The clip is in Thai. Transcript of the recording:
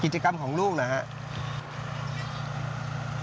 กิจกรรมของลูกนะครับ